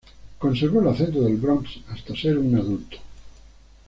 Conservó el acento del Bronx hasta ser un adulto.